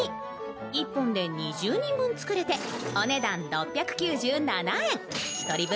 １本で２０人分作れてお値段６９７円１人分